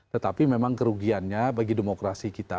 tetapi memang kerugiannya bagi demokrasi kita